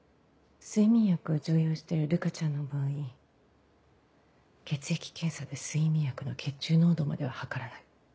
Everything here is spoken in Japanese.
睡眠薬を常用してる瑠香ちゃんの場合血液検査で睡眠薬の血中濃度までは測らない。